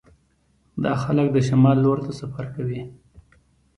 دا خلک د شمال لور ته سفر کوي